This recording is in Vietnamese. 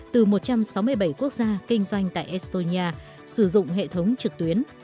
từ một trăm sáu mươi bảy quốc gia kinh doanh tại estonia sử dụng hệ thống trực tuyến